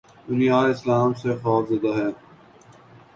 : دنیا آج اسلام سے خوف زدہ ہے۔